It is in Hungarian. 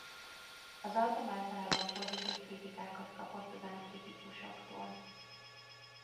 Az album általában pozitív kritikákat kapott a zenekritikusoktól.